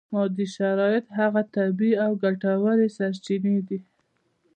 مادي شرایط هغه طبیعي او ګټورې سرچینې دي.